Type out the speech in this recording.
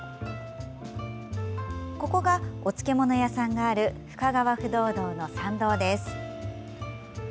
ここが、お漬物屋さんがある深川不動堂の参道です。